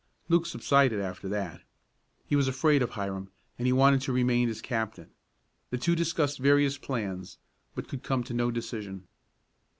Luke subsided after that. He was afraid of Hiram, and he wanted to remain as captain. The two discussed various plans, but could come to no decision.